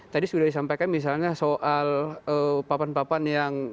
tadi sudah disampaikan misalnya soal papan papan yang